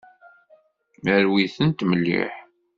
Rwi-tent mliḥ.